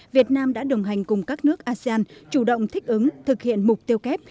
việt nam đã đồng hành cùng các nước asean chủ động thích ứng thực hiện mục tiêu kép